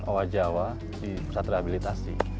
owa jawa di pusat rehabilitasi